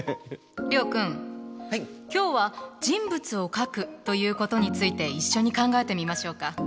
諒君今日は人物を描くということについて一緒に考えてみましょうか。